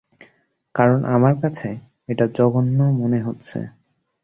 কারণ আমার কাছে, এটা জঘন্য মনে হচ্ছে।